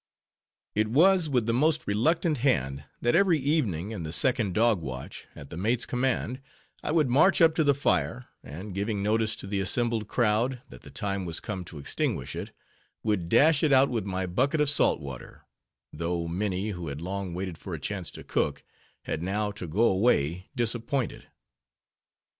It was with a most reluctant hand, that every evening in the second dog watch, at the mate's command, I would march up to the fire, and giving notice to the assembled crowd, that the time was come to extinguish it, would dash it out with my bucket of salt water; though many, who had long waited for a chance to cook, had now to go away disappointed.